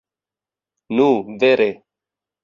Nu, vere.